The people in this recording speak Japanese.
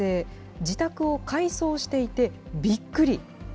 自宅を改装していて、びっくり。